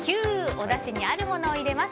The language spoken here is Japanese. おだしにあるものを入れます。